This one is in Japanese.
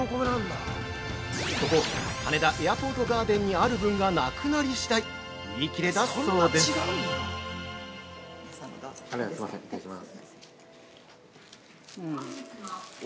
ここ羽田エアポートガーデンにある分がなくなり次第売り切れだそうです。